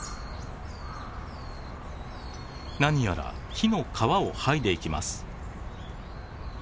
なにやら木の皮を剥いでいきます。